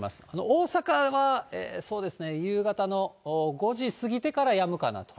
大阪はそうですね、夕方の５時過ぎてからやむかなと。